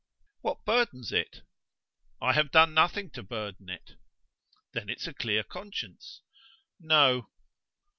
"What burdens it?" "I have done nothing to burden it." "Then it's a clear conscience." "No."